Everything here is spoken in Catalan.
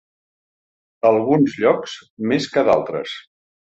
A alguns llocs més que a d'altres.